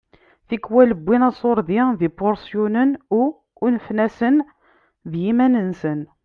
Tikwal wwin aṣurdi d ipuṛsyunen u unfen-asen d yiman-nsen.